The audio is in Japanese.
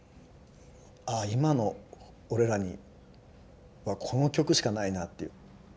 ああ今の俺らにはこの曲しかないなっていう。